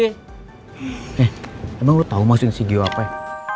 eh emang lo tau maksudnya si gio apa ya